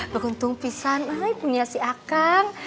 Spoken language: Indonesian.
beruntung pisang punya si akang